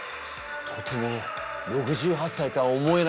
とても６８歳とは思えない動きだ。